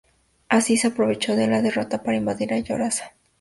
Aziz se aprovechó de la derrota para invadir Jorasán, ocupando Merv y Nishapur.